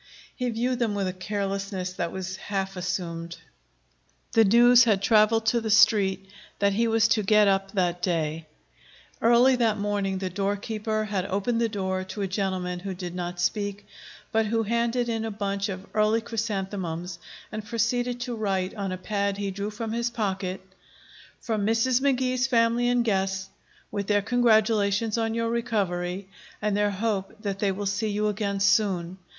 He viewed them with a carelessness that was half assumed. The news had traveled to the Street that he was to get up that day. Early that morning the doorkeeper had opened the door to a gentleman who did not speak, but who handed in a bunch of early chrysanthemums and proceeded to write, on a pad he drew from his pocket: "From Mrs. McKee's family and guests, with their congratulations on your recovery, and their hope that they will see you again soon.